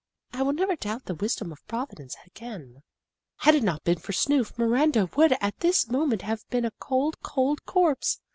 I will never doubt the wisdom of Providence again. Had it not been for Snoof, Miranda would at this moment have been a cold, cold corpse.